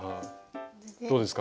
どうですか？